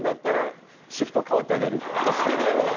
それぐらいの仲？